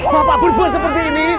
bapak berbuat seperti ini